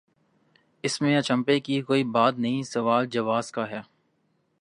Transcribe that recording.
اس میں اچنبھے کی کوئی بات نہیں سوال جواز کا ہے۔